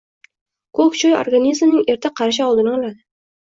Ko‘k choy organizmning erta qarishi oldini oladi.